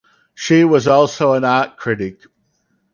She was also an art critic.